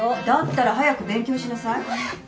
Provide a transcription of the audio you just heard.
だったら早く勉強しなさい。